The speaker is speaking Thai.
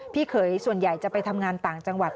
เขยส่วนใหญ่จะไปทำงานต่างจังหวัด